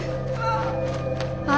ああ。